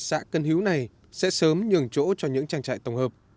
đồng lúa tại xã cân hiếu này sẽ sớm nhường chỗ cho những trang trại tổng hợp